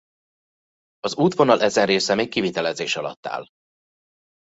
Az útvonal ezen része még kivitelezés alatt áll.